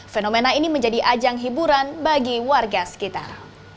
fenomena ini menjadi ajang hiburan bagi warga sekitar